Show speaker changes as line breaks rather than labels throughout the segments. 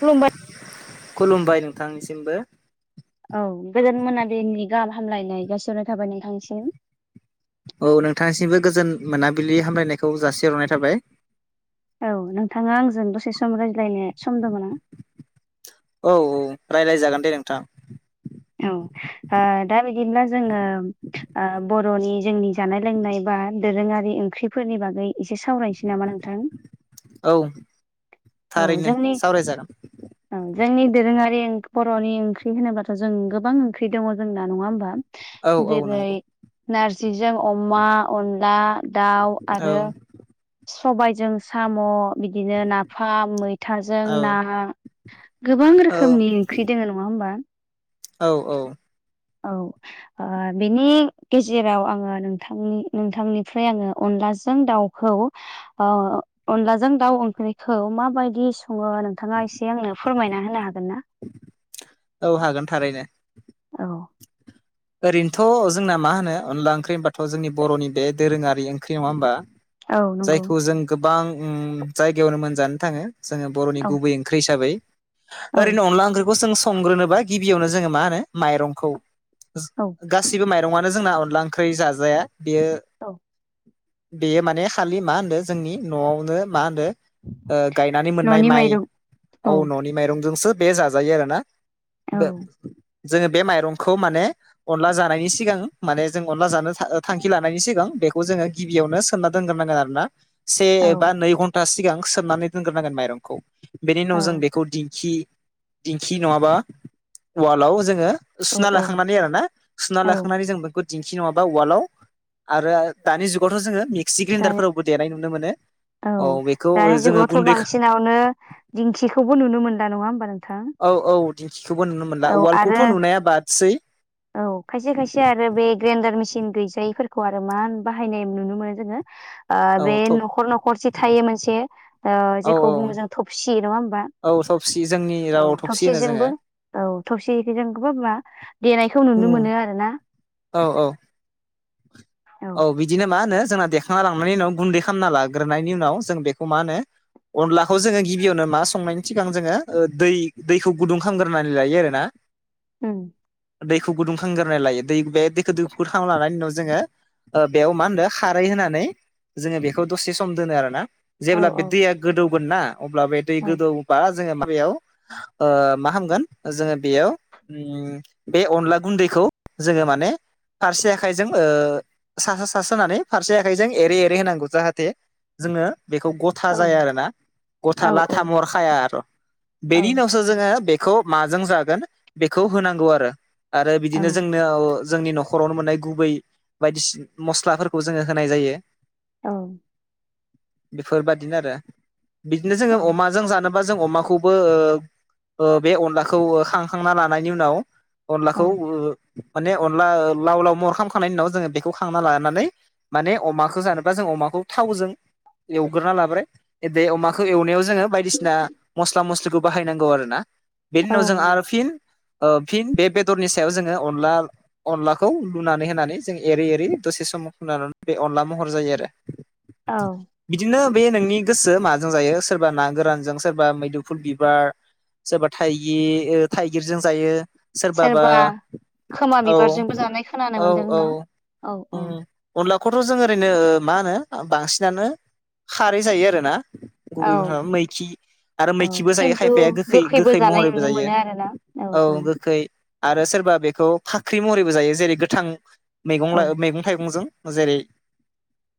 खुलुबाय।
खुलुमबाय नोंथांनिसिमबो।
औ गोजोन मोनाबलिनि गाहाम हामलायनाय जासिनाय थाबाय नोंथांसिम।
औ नोंथांनिसिमबो गोजोन मोनाबिलि हामलायनायखौ जासि हरनाय थाबाय।
औ नोंथाङा आंजों दसे सम रायज्लायनाय सम दङमोन आं
औ औ रायज्लायजागोन दे नोंथां।
औ दा बिदिब्ला जोङो ओ। बर'नि जोंनि जानाय लोंनाय बा दोरोङारि ओंख्रिफोरनि बागै एसे सावरायनोसै नामा नोंथां।
औ
औ
थारैनो
जोंनि
सावरायजागोन।
औ जोंनि दोरोङारि बर'नि ओंख्रि होनोब्लााथ' जों गोबां ओंख्रि दङ जोंना नङा होमबा?
औ औ
जेरै
नंगौ
नारजिजों अमा अनला दाउ
औ
आरो। सबाइजों साम' बिदिनो नाफाम मैथाजों
औ
ना गोबां
औ
रोखोमनि ओंख्रि दोङो नङा होनोमबा?
औ औ।
औ। बिनि गेजेराव आङो नोंथांनि नोंथांनिफ्राय आङो अनलाजों दाउ खौ अनलाजों दाउ ओंख्रिखौ माबायदि सङो नोंथाङा एसे आंनो फोरमायना होनो हागोन ना।
औ हागोन थारैनो।
औ।
ओरैनोथ' जोंना मा होनो अनला ओंख्रि होनबाथ' जोंनि बर'नि बे दोरोङारि ओंख्रि नङा होमबा?
औ नंगौ
जायखौ जों गोबां जायगायावनो मोनजानो थाङो जोङो बर'नि
औ
गुबै ओं ओंख्रि हिसाबै
औ
ओरैनो अनला ओंख्रिखौ जों संग्रोनोबा गिबियावनो जोङो मा होनो माइरंखौ
औ
गासिबो माइरङआानो जोंना अनला ओंख्रि जाजाया बेयो
औ
बेयो माने खालि मा होनदों जोंनि न'आवनो मा होनो गायनानै मोननाय
न'नि
माइ
माइरं
औ न'नि माइरंजोंसो बे जाजायो आरो ना।
औ
बे जोङो बे माइरंखौ माने अनला जानायनि सिगां माने जों अनला जानो थांखि लानायनि सिगां बेखौ जोङो गिबियावनो सोनना दोनग्रोनांगोन आरो ना। से एबा नै घन्टा सिगां सोमनानै दोनग्रोनांगोन माइरंखौ बेनि
औ
उनाव जों बेखौ दिंखि दिंखि नङाबा वालाव जोङो
औ
सुना लाखांनानै आरो ना सुना
औ
लाखांनानै जों बे दिंखि नङाबा उवालाव आरो दानि जुगावथ' जोङो मिक्सि
दा
ग्रेन्डारफोरावबो देनाय नुनो मोनो।
औ
बेखौ
दानि
जोङो
जुगावथ'
गुन्दै औ
बांसिनावनो दिंखिखौबो नुनो मोना नंङा होमबा नों
औ औ दिंखिखौबो नुनो मोनला
आरो
ववाल्खौथ' नुनाया बादसै
औ खायसे खायसे आरो बे ग्रेन्डार मेसिन गैजायैफोरखौ आरो मान बाहायनाय नुनो मोनो जोंङो
औ
बे
थब
न'खर न'खर जि थायो मोनसे
औ
जेखौ
औ
बुंङो जों थबसि नंङा होमबा
औ सबसि जोंनि
औ
राव थबसि होनो जोङो
थबसिजोंबो औ थबसिजों होनबा देनायखौ नुनो मोनो आरो ना
औ औ
औ
औ बिदिनो मा होनो जोंना देखांना लांनायनि उनाव गुन्दै खालामना लाग्रोननि उनाव जों बेखौ मा होनो अनलाखौ जोंङो गिबियावनो मा संनायनि सिगां जोङो दै दैखौ गुदुं खालामग्रोनानै लायो आरोना
[unintelligible]
दैखौ गुदुंखांग्रोनाय लायो दै बे दैखौुं गुदुंखांना लानायनि उनाव जोंङो बेयाव मा होनदों खारै होनानै जोंङो बेखौ दसे सम दोनो आरोना
औ
जेब्ला बे
औ
दैया गोदौगोन ना अब्ला बे दै
औ
गोदौबा जोंङो माबायाव मा खामगोन जोंङो बेयाव बे अनला गुन्दैखौ जोंङो माने फारसे आखाइजों सा सास होनानै फारसे आखाइजों एरै एरै होनांगौ जाहाथे जोंङो बेखौ गथा गथा
औ
ज आरोना
औ
गथा लाथा महरखाया आरो
औ
बेनि उन जो बेखौ माजों जागोन बेखौ होनांगौ आरो आरो
औ
बिदिनो जोंनो जोंनि न'खरावनो मोननाय गुबै बायदिसिना मस्लाफोरखौ जोंङो होनाय जायो।
औ
बेफोरबायादिनो आरो बिदिनो
औ
जोंङो अमाजों जानो माबा जों अमाखौबो बे अनलाखौ खांखांना लानायनि उनाव
औ
अनलाखौ
औ
माने अनला लाव लाव मरखामखांनायनि उनाव जोंङो बेखौ थांना लानानै माने अमाखौ जानोबा जों अमाखौ थावजों एवग्रोना लाब्राय बे अमाखौ एवनायाव जोङो बायदिसिना मस्ला मस्लिखौ बाहायनांगौ आरो ना बेनि
औ
उनाव जों आरो
नंगौ
फिन फिन बे बेदरनि सायाव जोंङो अनला अनलाखौ लुनानै होनानै जों एरै एरै दसे समाव खनानै बे अनला महर जायो आरो
औ
बिदिनो बे नोंनि गोसो माजों जायो सोरबा ना गोरानजों सोरबा मैदुफुल बिबार सोरबा थाइगिर थाइगिरजों जायो। सोरबाबा
सोरबा खोमा
औ
बिबारजोंबो जानाय खोनानो
औ औ
मोनदोंनाा औ औ
उम अनलाखौथ' जों ओरैनो मा होनो बांसिनानो खारै जायो आरोना
औ
[unintelligible] मैखि आरो
औ
मैखिबो जायो
खिन्थु
खायफाया गोखै
गोखैबो
गोखै
जानाय
महरैबो
नुनो
जायो
मोनो आरोना
औ गोखै आरो सोरबा बेखौ फाख्रि महरैबो जायो जेरै गोथां मैगं
औ
मैगं थाइंजों जेरै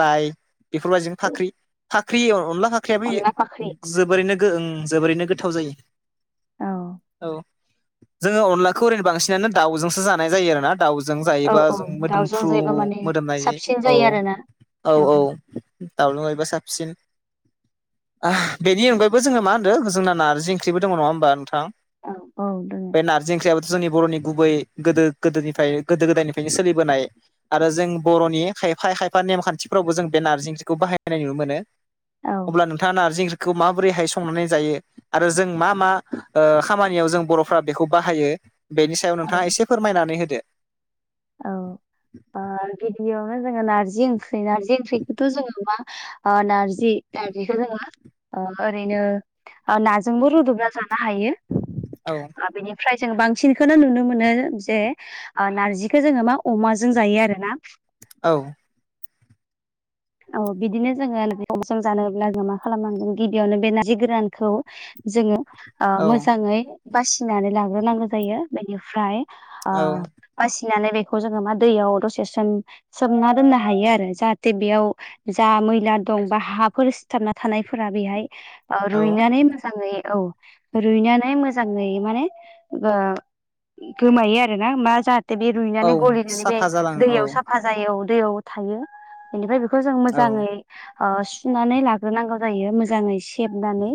लाइ बेफोरबायदि फाख्रि फाख्रि अनला फाख्रि
अनला फाख्रि
फाख्रियाबो जोबोरैनोओ जोबोरैनो गोथाव जायो
औ
औ जोंङो अनलाखौ ओरैनो बांसिनानो दाउजोंसो जानाय जायो आरोना दाउजों
औ
जायोबा
औ
जों
दाउजों
मोदोमफ्रु
जायोबा माने
मोदोमनाय
साबसिन
औ
जायो आरोना
औ औ दाउ लकेलबा साबसिन बेनि अनगायबो जोंङो मा होनदों जोंना नारजि ओंख्रिबो दंङो नंङा होमबा नोंथां
औ औ दंङो
बे नारजि ओंख्रियाबथ' जोंनि बर'नि गुबै गोदो गोदोनिफ्राय गोदो गोदायनिफ्रायनो सोलिबोनाय आरो जों बर'नि खायफा खायफा नेमखानथिफ्रावबो जों बे नारजि ओंख्रिखौ बाहायनाय नुनो मोनो।
औ
अब्ला नोंथांङा नारजि ओंख्रिखौ माबोरैहाय संनानै जायो। आरो जों मा मा ओ खामानियाव जों बर'फ्रा बेखौ बाहायो बेनि सायाव नोंथांङा एसे फोरमायनानै होदो
औ ब गिबियावनो जोंङो नारजि ओंख्रि नारजि ओंख्रिखौथ' जोंङो मा आ नारजि नारजिखोनो ओरैनो नाजोंबो रुदुबना जानो हायो।
औ
बेनिफ्राय जों बांसिनखौनो नुनो मोनो जे ओ नारजि बेखौ जोङो मा अमाजों जायो आरो ना।
औ
औ बिदिनो जोङो सम सम जानोब्ला जों मा खालामनांदों गिबियावनो बे नारजि गोरानखौ जोङो ओ
औ
मोजाङै बासिनानै लाग्रोनांगौ जायो बेनिफ्राय आ
औ
बासिनानै बेखौ जोङो मा दैयाव दसे सोम सोमना दोननो हायो आरो जाहाथे बेयाव जा मैला दं बा हाफोर सिथाबना थानायफोरा बेहाय औ रुइनानै मोजाङै औ रुइनानै मोजाङै माने गोमायो आरो नामा जा बे
औ
रुइनानै गलिनानै बे
साफा जालाङो
दैयाव साफा जायो औ दैयाव थायो बेनिफ्राय बेखौ जों
औ
मोजाङै ओ सुनानै लाग्रोनांगौ जायो मोजाङै सेबनानै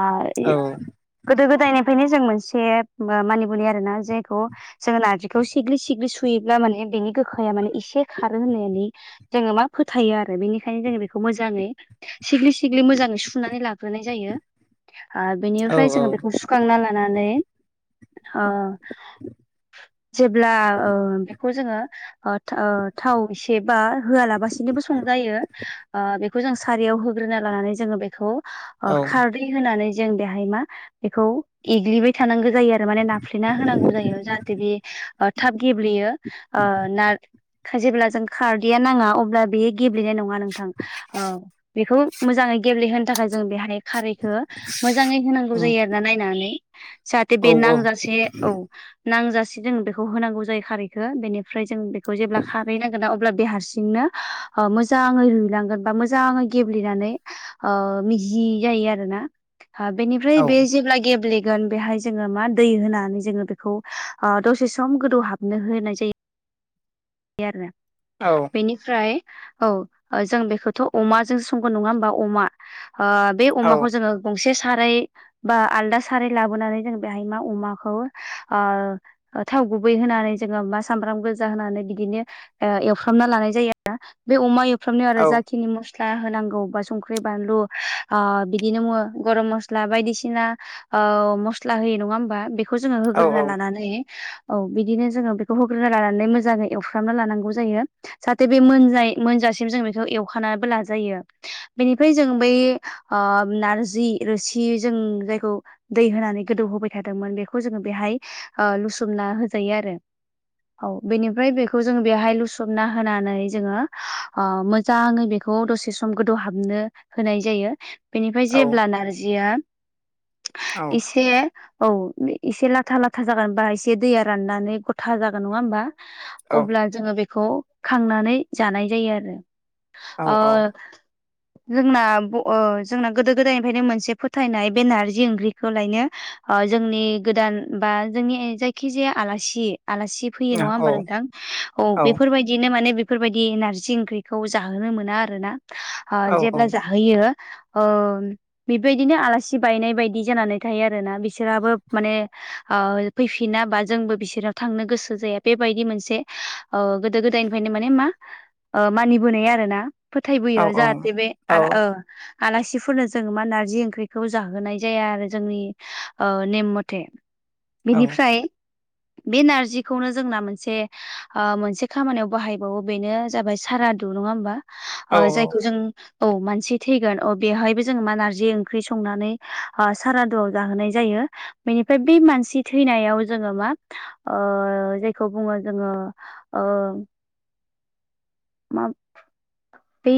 ओ
औ
गोदो गोदायनिफ्रायनो जों मोनसे मानि बुलियो [unintelligible] आरोना जेखौ जोङो नारजिखौ सिग्लि सिग्लि सुयोब्ला माने बेनि गोखाया माने एसे खारो होननानै जोङो मा फोथायो आरो बेनिखायनो जोङो बेखौ मोजाङै सिग्लि सिग्लि मोजाङै सुनानै लाग्रोनाय जायो। आ
औ
बेनिफ्राय जोङो बेखौ सुखांना लानानै आ जेब्ला ओ जोङो थाव एसे बा होआलाबासि बो संजायो ओ बेखौ जों सारायाव होग्रोना लानानै जोंङो बेखौ ओ
औ
खार होनानै जों बेहाय मा बेखौ एग्लिबाय थानांगौ जायो आरो। माने नाफ्लेना होनांगौ जायो जाहाथे बे थाब गेब्लेयो ओ नार जेब्ला जों खारदैया नाङा अब्ला बे गेब्लेनाय नङा नोंथां ओ बेखौ मोजाङै गेब्लेहोनो थाखाय जों बेहाय खारैखौ मोजाङै होनांगौ जायो आरोना नायनानै जाहाथे बे नांजासे औ नांजासे जोङो बेखौ होनांगौ जायो खारैखो बेनिफ्राय जों बेखौ जेब्ला खारै नांगोन ना अब्ला बे हारसि नो मोजाङै रुइलांगोन बा मोजाङै गेब्लेनानै ओ मिजि जायो आरोना बेनिफ्राय
औ
बे जेब्ला गेब्ले गोन बेहाय जोङो मा दै होनानै जोङो बेखौ ओ दसे सम गोदौ हाबनो होनाय जायो। यो आरो
औ
बेनिफ्राय औ जों बेखौथ' अमाजों संगोन नङा होनबा अमा ओ बे अमाखौ जोङो गंसे साराय बा आलदा सारै लाबोनानै जों बेहाय मा अमाखौ ओ थाव गुबै होनानै जोङो मा सामब्राम गोजा होनानै बिदिनो ओ एवफ्रामना लानाय जायो आरो बे अमा एवफ्रामनायाव आरो जाखिनि म मस्ला होनांगौ बा संख्रि बानलु ओ बिदिनो बुङो गरम मस्ला बायदिसिना ओ मस्ला होयो नङा होमबा बे खौ जोङो होग्रोना लानानै औ बिदिनो जोंङो बेखौ होग्रोना लानानै मोजाङै खालामना लानांगौ जायो जाहाथे बे मोनज मोनजासिम जों बेखौ एवखनानैबो लाजायो। बेनिफ्राय जों बै ओ नारजि रोसि जों जायखौ दै होनानै गोदौ होबाय थादोंमोन बेखौ जोङो बेहाय ओ लुसोमना होजायो आरो। औ बेनिफ्राय बेखौ बेखौ जों बेवहाय लुसबना होनानै जोङो मोजाङै बेखौ दसे सम गोदौहाबनो होनाय जायो बेनिफ्राय
औ
जेब्ला नारजिया
औ
एसे औ एसे लाथा लाथा जागोनबा एसे दैया राननानै गथा जागोन नंङा होमबा
औ
अब्ला जोंङो बेखौ खांनानै जानाय जायो
औ
आरो जोंना जोंना गोदो गोदायनिफ्रायनो मोनसे फोथायनाय बेनारजि ओंख्रिखौ लायनो जोंनि गोदान बा जोंनि जायखि जाया आलासि आलासि
औ
फैयो नंङा होमबा
औ
नोंथां औ बेफोरबायदिनो माने बेफोरबायदि नारजि ओंख्रिखौ जाहोनो मोना आरो ना
औ
जेब्ला जाहोयो ओ बेबायदिनो आलासि बायनाय बायदि जानानै थायो आरोना बिसोराबो माने फैफिना बा जोंबो बिसोराव थांनो गोसो जाया बेबायदि मोनसे गोदो गोदायनिफ्रायनो माने मा मानिबोनाय आरो ना
औ
फोथायबोयो जाहाथे बे
औ
आ आलासिफोरनो जोंङो मा नारजि ओंख्रिखौ जाहोनाय जाया आरो जोंनि नेम मथे
औ
बेनिफ्राय बे नारजिखौनो जोंना मोनसे मोनसे खामानियाव बाहायबावो बेनो जाबाय सारादु नंङा होमबा
औ
जायखौ जों औ मानसि थैगोन अ बेवहायबो जोङो मा नारजि ओंख्रि संनानै सारादुआव जाहोनाय जायो। बेनिफ्राय बे मानसि थैनायाव जोंङो मा जेखौ बुंङो जोंङो ओ मा बे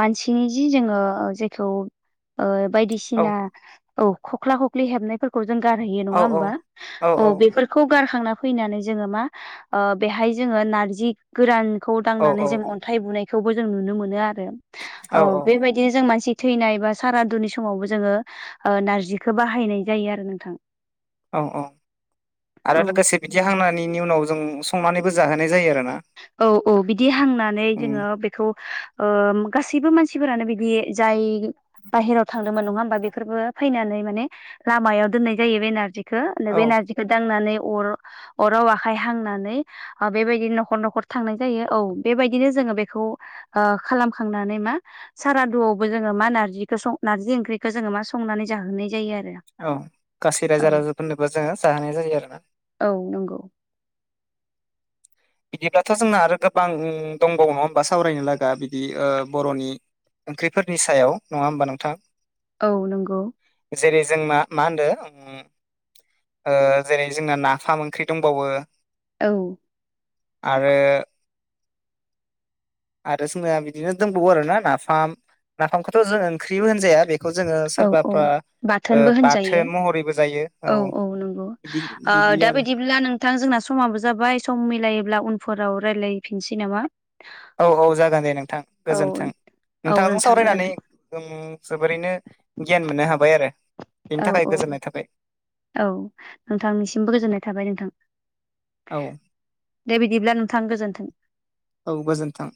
मानसिनि जि जोंङो जायखौ बायदि बायदिसिना औ खख्ला खख्लि हेबनायफोरखौ जों गारहैयो नंङा होनबा औ बे गारखांना फैनानै जोंङो मा बेहाय जोङो नारजि गोरानखौ
औ
नांनानै जों अन्थाइ बुनायखौबो जों नुनो मोनो आरो
औ
बेबायदि बिदिनो जों मानसि थैनाय बा सारादुनि समावबो जोंङो नारजिखौ बाहायनाय जायो आरो नोंथां
औ औ आरो
औ
लोगोसे बिदि हांनि उनाव जों संनानैबो जाहोनाय जायो आरोना
औ औ बिदि हांनानै
उम
जोंङो बे खौ गासैबो मानसिफोरानो बिदि जाय बाहहेराव थांदोंमोन नङा होमबा बेफोरबो फैनानै माने लामायाव दोननाय जायो बेनारजिखौ
औ
बे नारजि दांनानै अर अराव आखाइ हांनानै बेबायदिनो न'खर न'खर थांनाय जायो औ बेबायदिनो जोङो बेखौ खालामखांनानै मा सारादुआवबो जोंङो मा नारजिखौं नारजि ओंख्रिखौ जोंङो मा संनानै जाहोनाय जायो आरो
औ गासै
औ
रायजो राजाफोरनोबो जोंङो जाहोनाय जायो आरो ना
औ नंगौ
बिदिब्लाथ' जोंना आरो गोबां दंबावो नङा होनबा सावरायनो लागा बिदि बर'नि ओंख्रिफोरनि सायाव नंङा होमबा नोंथां
औ नंगौ
जेरै जोंना मा होनदों ओ जेरै जोंना नाफाम ओंख्रि दंबावो
औ
आरो
[inaudible]
आरो जोंना बिदिनो दोंबावो आरोना नाफाम नाफामखौथ' जों ओंख्रिबो होनजाया बेखौ जोंङो
औ औ
सोरबाफ्रा
बाथोनबो होनजायो
बाथोन महरैबो जायो औ बिदि
ओ
बिदि
दा
आरो
बायदिब्ला नोंथां जोंना समाबो जाबाय सम मिलायोब्ला उनफोराव रायलायफिनसै नामा
औ औ जागोन दे नोंथां
औ
गोजोन्थों
औ
नोंथांजों
नोंथां
सावरायनानै
गोजोन्थों
जों जोबोरैनो गियान मोननो हाबाय आरो बेनि
औ
थाखाय
औ
गोजोननाय थाबाय
औ नोंथांनिसिमबो गोजोननाय थाबाय नोंथां
औ
दे बिदिब्ला नोंथां गोजोन्थों
औ गोजोनथों